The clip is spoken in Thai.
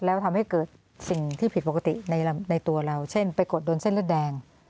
แล้วทำให้เกิดสิ่งที่ผิดปกติในตัวเราเช่นไปกดโดนเส้นเลือดแดง